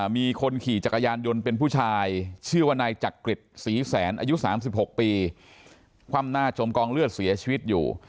มีคนขี่จักรยานยนต์เป็นผู้ชายชื่อว่านายจักริจศรีแสนอายุ๓๖ปีคว่ำหน้าจมกองเลือดเสียชีวิตอยู่